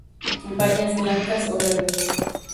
Bayas blancas o verdes.